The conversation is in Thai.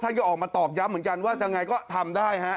ก็ออกมาตอบย้ำเหมือนกันว่ายังไงก็ทำได้ฮะ